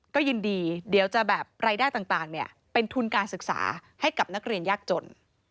ก็ยินดีเดี๋ยวจะแบบรายได้ต่างเป็นทุนการศึกษาให้กับนักเรียนยากจน